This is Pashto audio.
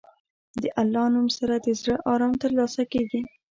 د الله نوم سره د زړه ارام ترلاسه کېږي.